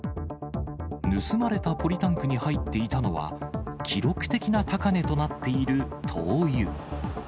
盗まれたポリタンクに入っていたのは、記録的な高値となっている灯油。